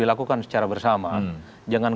dilakukan secara bersama jangan